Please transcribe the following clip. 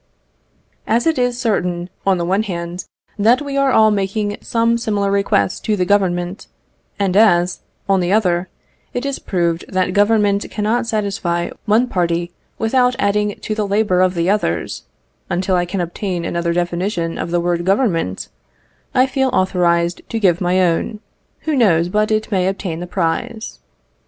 As it is certain, on the one hand, that we are all making some similar request to the Government; and as, on the other, it is proved that Government cannot satisfy one party without adding to the labour of the others, until I can obtain another definition of the word Government, I feel authorised to give my own. Who knows but it may obtain the prize?